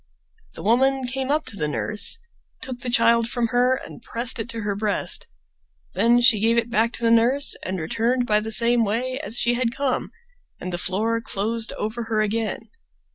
The woman came up to the nurse, took the child from her, and pressed it to her breast; then she gave it back to the nurse and returned by the same way as she had come, and the floor closed over her again.